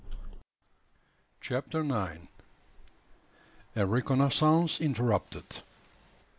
CHAPTER NINE. A RECONNOISSANCE INTERRUPTED.